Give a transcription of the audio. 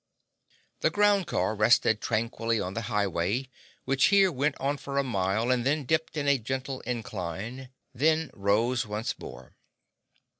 The ground car rested tranquilly on the highway, which here went on for a mile and then dipped in a gentle incline and then rose once more.